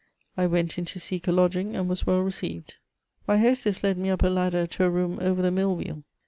I went in to seek a lodging, and was well received. My hostess led me up a ladder to a room over the mill wheel.